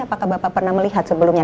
apakah bapak pernah melihat sebelumnya